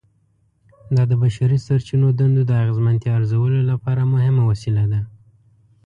دا د بشري سرچینو دندو د اغیزمنتیا ارزولو لپاره مهمه وسیله ده.